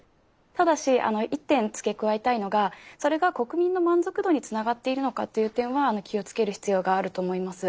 ただし一点付け加えたいのがそれが国民の満足度につながっているのかっていう点は気をつける必要があると思います。